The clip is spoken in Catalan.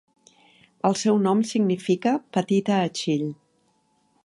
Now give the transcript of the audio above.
El seu nom significa "Petita Achill".